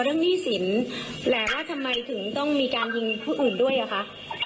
หนี้สินแต่ว่าทำไมถึงต้องมีการยิงผู้อื่นด้วยอ่ะคะ